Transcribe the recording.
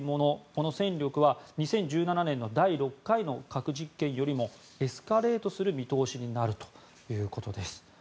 この戦力は、２０１７年の第６回の核実験よりもエスカレートする見通しになるということです。